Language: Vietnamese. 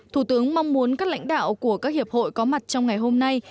thủ tướng mong muốn các lãnh đạo của các hiệp hội có mặt trong ngày hôm nay